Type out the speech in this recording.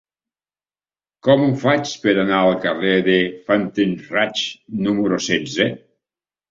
Com ho faig per anar al carrer de Fastenrath número setze?